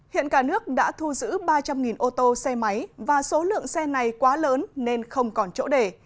hiện cả nước đã thu giữ ba trăm linh ô tô xe máy và số lượng xe này quá lớn nên không còn chỗ để